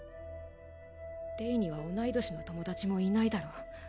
レイには同い年の友達もいないだろ